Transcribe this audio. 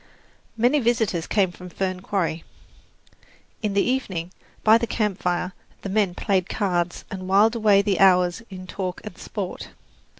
Many visitors came to Fern Quarry. In the evening, by the campfire, the men played cards and whiled away the hours in talk and sport.